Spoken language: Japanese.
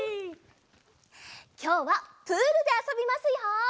きょうはプールであそびますよ！